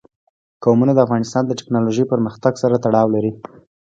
قومونه د افغانستان د تکنالوژۍ پرمختګ سره تړاو لري.